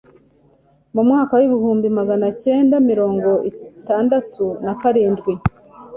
Mu mwaka w' igihumbi manacyenda mirongo itandatu na karindwi,